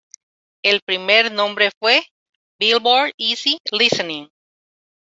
El primer nombre fue Billboard Easy Listening.